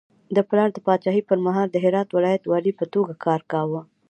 د پلار د پاچاهي پر مهال د هرات ولایت والي په توګه کار کاوه.